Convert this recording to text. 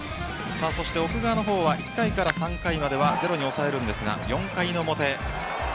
そして奥川のほうは１回から３回までは０に抑えるんですが４回の表。